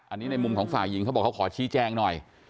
อันนี้ในมุมของฝ่ายหญิงเขาบอกเขาขอชี้แจงหน่อย